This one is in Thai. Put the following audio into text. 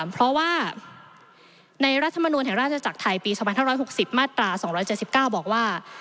เพราะว่าในรัฐมนูลแห่งราชจักรไทยปี๒๕๖๐มาตรา๒๗๙บอกว่า